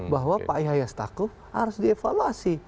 bahwa pak yahya stakuf harus dievaluasi